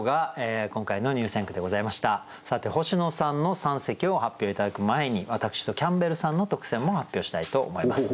星野さんの三席を発表頂く前に私とキャンベルさんの特選も発表したいと思います。